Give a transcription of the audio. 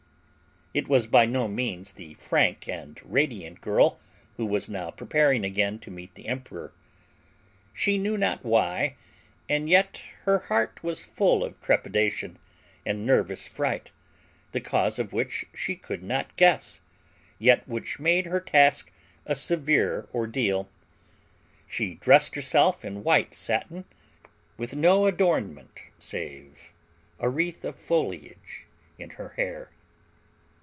It was by no means the frank and radiant girl who was now preparing again to meet the emperor. She knew not why, and yet her heart was full of trepidation and nervous fright, the cause of which she could not guess, yet which made her task a severe ordeal. She dressed herself in white satin, with no adornment save a wreath of foliage in her hair.